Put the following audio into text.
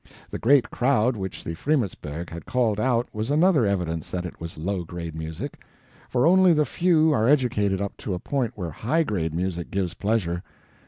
The great crowd which the "Fremersberg" had called out was another evidence that it was low grade music; for only the few are educated up to a point where high grade music gives pleasure.